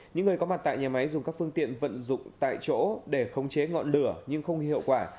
những người có mặt tại nhà máy dùng các phương tiện vận dụng tại chỗ để khống chế ngọn lửa nhưng không hiệu quả